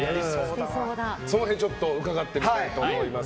その辺、伺っていきたいと思います。